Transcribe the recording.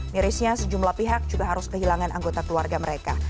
mirisnya sejumlah pihak juga harus kehilangan anggota keluarga mereka